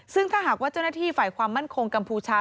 ซึ่งถ้าหากว่าเจ้าหน้าที่ฝ่ายความมั่นคงกัมพูชา